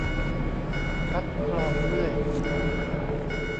คัดคลองเลื่อย